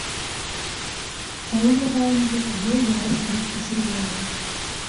Тәүге вайнды йыл ярым элек төшөргәйнем.